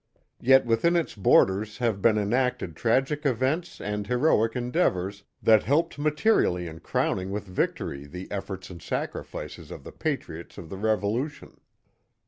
Yet within its borders have been enacted tragic events and heroic endeavors that helped materially in crowning with victory the efforts and sacrifices of the patriots of the Revolution.